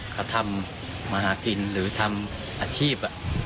เขาทำมาหากินหรือทำอาชีพ